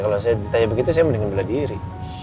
kalau saya ditanya begitu saya mendengar bela diri